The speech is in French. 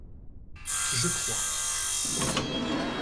Je crois.